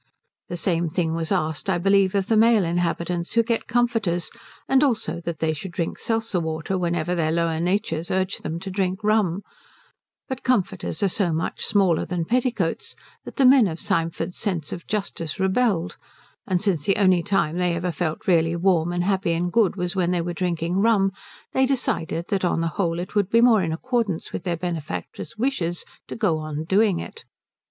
The same thing was asked, I believe, of the male inhabitants, who get comforters, and also that they should drink seltzer water whenever their lower natures urged them to drink rum; but comforters are so much smaller than petticoats that the men of Symford's sense of justice rebelled, and since the only time they ever felt really warm and happy and good was when they were drinking rum they decided that on the whole it would be more in accordance with their benefactress's wishes to go on doing it.